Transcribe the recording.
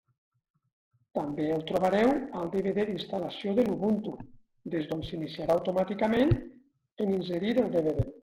També el trobareu al DVD d'instal·lació de l'Ubuntu, des d'on s'iniciarà automàticament en inserir el DVD.